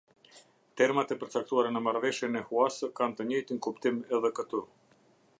Termat e përcaktuara në Marrëveshjen e Huasë kanë të njëjtin kuptim edhe këtu.